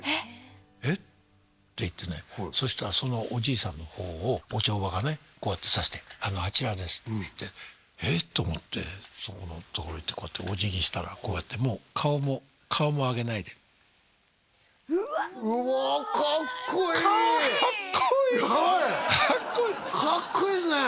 「えっ？」て言ってねそしたらそのおじいさんのほうをお帳場がねこうやってさしてあのあちらですって言ってえっ？と思ってそこのところ行ってこうやってお辞儀したらこうやってもう顔も顔も上げないでうわうわカッコいいカッコいいカッコいいっすね